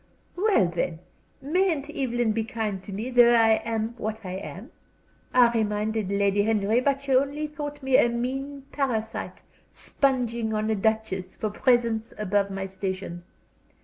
Well, then, mayn't Evelyn be kind to me, though I am what I am? I reminded Lady Henry, but she only thought me a mean parasite, sponging on a duchess for presents above my station.